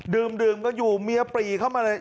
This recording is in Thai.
ดื่มกันอยู่เมียปรีเข้ามาเลย